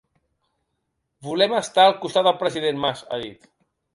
Volem estar al costat del president Mas, ha dit.